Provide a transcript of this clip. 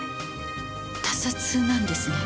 他殺なんですね？